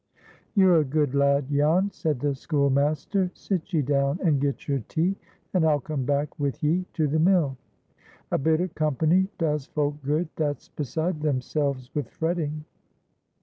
"You're a good lad, Jan," said the schoolmaster. "Sit ye down and get your tea, and I'll come back with ye to the mill. A bit of company does folk good that's beside themselves with fretting."